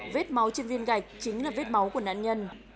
vết máu trên viên gạch chính là vết máu của nạn nhân